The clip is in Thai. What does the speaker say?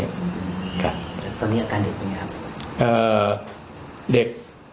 ตอนนี้อาการเด็กมันยังไงครับเอ่อเด็ก